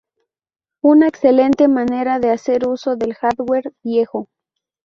Una excelente manera de hacer uso del hardware viejo.